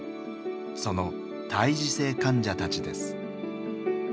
その胎児性患者たちです。